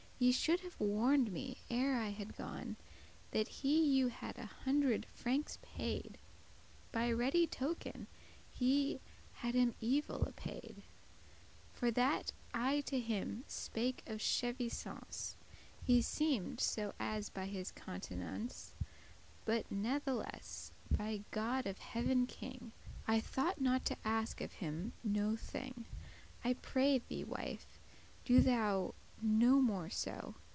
Ye should have warned me, ere I had gone, That he you had a hundred frankes paid By ready token; he *had him evil apaid* *was displeased* For that I to him spake of chevisance,* *borrowing (He seemed so as by his countenance); But natheless, by God of heaven king, I thoughte not to ask of him no thing. I pray thee, wife, do thou no more so.